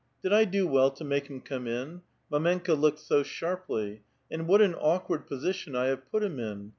'' Did I do well to make him come in? Mdmenka looked so sharply ! And what an awkard position I have put him in